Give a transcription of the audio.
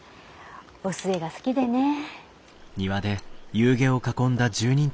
お寿恵が好きでねえ。